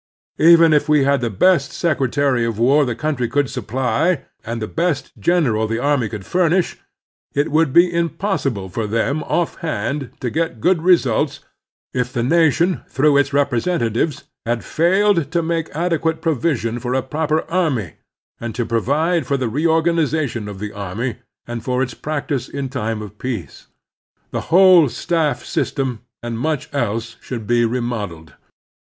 Even if we had the best secretary of war the cotmtry could supply and the best general the army could furnish, it would be impossible for them offhand to get good results if the nation, through its repre sentatives, had failed to make adequate provision for a proper army, and to provide for the reorgan ization of the army and for its practice in time of peace. The whole staff system, and much else, should be remodeled.